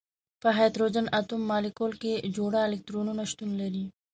په هایدروجن اتوم مالیکول کې جوړه الکترونونه شتون لري.